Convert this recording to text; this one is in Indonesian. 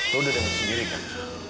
lo udah denger sendiri kan